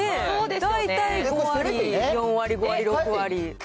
大体４割、５割、６割。